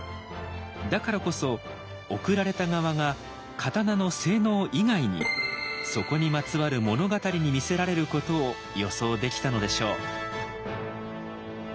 だからこそ贈られた側が刀の性能以外にそこにまつわる物語に魅せられることを予想できたのでしょう。